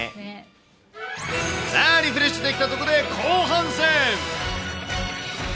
さあ、リフレッシュできたとこで、後半戦。